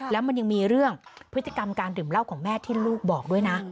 แล้วมันยังมีเรื่องพฤติกรรมการดื่มเหล้าของแม่ที่ลูกบอกด้วยนะ